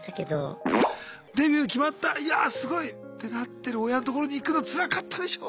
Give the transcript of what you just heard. デビュー決まったいやあすごいってなってる親のところに行くのつらかったでしょう。